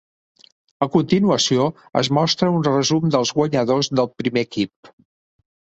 A continuació es mostra un resum dels guanyadors del primer equip.